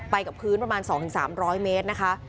กับพื้นประมาณ๒๓๐๐เมตรนะคะ